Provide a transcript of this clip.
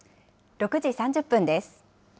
６時３０分です。